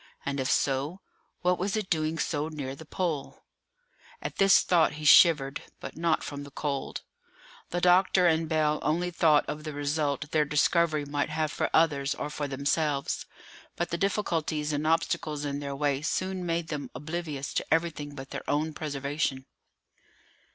and if so, what was it doing so near the Pole?" At this thought he shivered, but not from the cold. The doctor and Bell only thought of the result their discovery might have for others or for themselves. But the difficulties and obstacles in their way soon made them oblivious to everything but their own preservation.